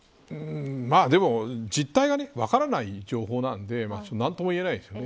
でも実態は分からない情報なので何とも言えないですよね。